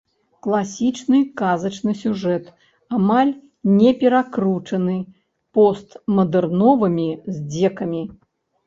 Класічны казачны сюжэт, амаль не перакручаны постмадэрновымі здзекамі.